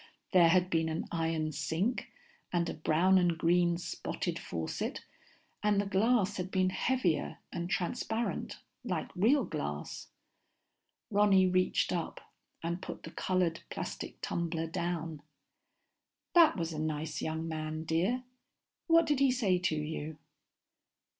There had been an iron sink, and a brown and green spotted faucet, and the glass had been heavier and transparent, like real glass. Ronny reached up and put the colored plastic tumbler down. "That was a nice young man, dear. What did he say to you?"